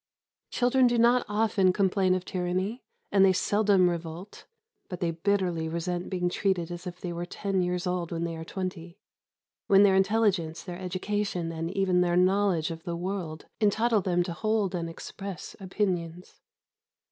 Children do not often complain of tyranny, and they seldom revolt; but they bitterly resent being treated as if they were ten years old when they are twenty, when their intelligence, their education, and even their knowledge of the world entitle them to hold and express opinions.